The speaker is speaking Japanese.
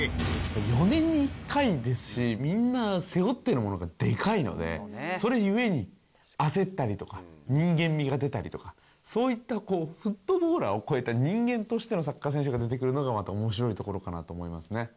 ４年に１回ですしみんな背負っているものがでかいのでそれ故に、焦ったりとか人間味が出たりとかそういったフットボーラーを超えた人間としてのサッカー選手が出てくるところがまた面白いところかなと思いますね。